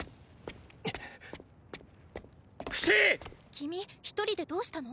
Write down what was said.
君１人でどうしたの？